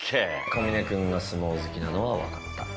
小峰君が相撲好きなのは分かった。